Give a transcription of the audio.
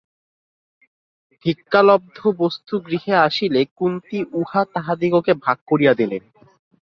ভিক্ষালব্ধ বস্তু গৃহে আসিলে কুন্তী উহা তাঁহাদিগকে ভাগ করিয়া দিতেন।